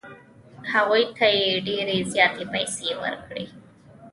هغوی ته یې ډېرې زیاتې پیسې ورکړې وې.